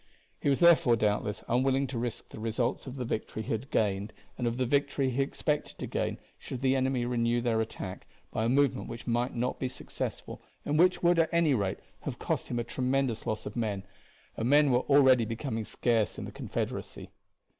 He was therefore, doubtless, unwilling to risk the results of the victory he had gained and of the victory he expected to gain should the enemy renew their attack, by a movement which might not be successful, and which would at any rate have cost him a tremendous loss of men, and men were already becoming scarce in the Confederacy.